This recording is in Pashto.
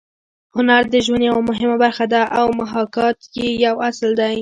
هنر د ژوند یوه مهمه برخه ده او محاکات یې یو اصل دی